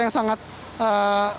yang saya ingin mengatakan adalah api ini